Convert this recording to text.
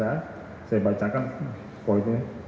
saya bacakan poinnya